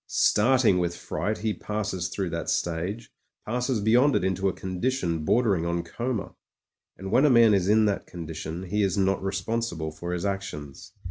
Start ing with fright he passes through that stage, passes beyond it into a condition bordering on coma; and when a man is in that condition he is not responsible for his actions.